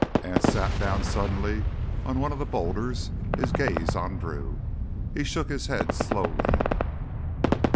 Anse sat down suddenly on one of the boulders, his gaze on Drew. He shook his head slowly.